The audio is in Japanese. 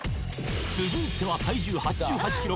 続いては体重８８キロ